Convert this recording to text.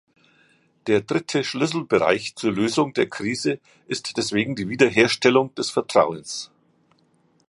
Der dritte Schlüsselbereich zur Lösung der Krise ist deswegen die Wiederherstellung des Vertrauens.